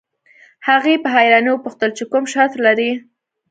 هغې په حيرانۍ وپوښتل چې کوم شرط لرئ.